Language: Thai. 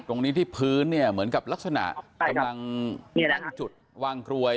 ตรงนี้ที่พื้นเนี่ยเหมือนกับลักษณะกำลังตั้งจุดวางกรวย